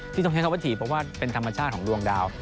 ที่ต้องเขียนเขาว่าทีบเพราะว่าเป็นธรรมชาติของรวงดาว